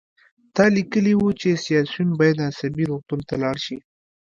تا لیکلي وو چې سیاسیون باید عصبي روغتون ته لاړ شي